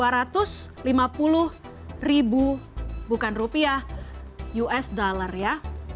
rp dua ratus lima puluh ribu bukan rupiah usd ya